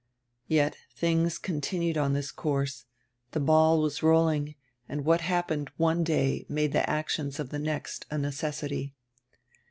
Yet things continued on this course; the hall was rolling, and what happened one day made the actions of the next a necessity.